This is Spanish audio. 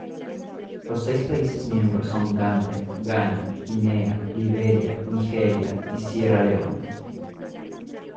Los seis países miembros son Gambia, Ghana, Guinea, Liberia, Nigeria y Sierra Leona.